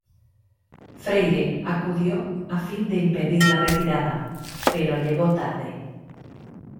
Freire acudió a fin de impedir la retirada, pero llegó tarde.